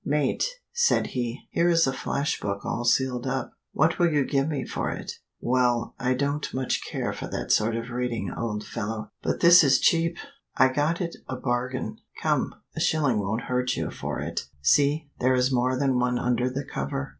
Mate," said he, "here is a flash book all sealed up. What will you give me for it?" "Well! I don't much care for that sort of reading, old fellow." "But this is cheap. I got it a bargain. Come a shilling won't hurt you for it. See there is more than one under the cover."